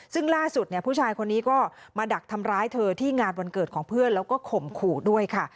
ซึ่งล่าสุดเนี่ยผู้ชายคนนี้ก็มาดักทำร้ายเธอที่งานวันเกิดของเพื่อนแล้วก็ข่มขู่ด้วยค่ะ